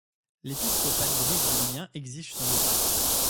L'épiscopat brésilien exige son départ.